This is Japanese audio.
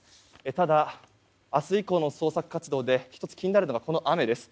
ただ、明日以降の捜索活動で１つ気になるのが、この雨です。